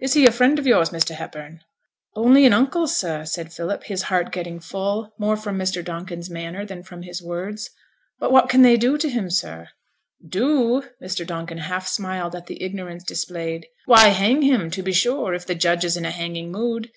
Is he a friend of yours, Mr. Hepburn?' 'Only an uncle, sir,' said Philip, his heart getting full; more from Mr. Donkin's manner than from his words. 'But what can they do to him, sir?' 'Do?' Mr. Donkin half smiled at the ignorance displayed. 'Why, hang him, to be sure; if the judge is in a hanging mood.